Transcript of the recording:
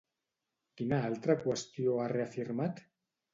Quina altra qüestió ha reafirmat?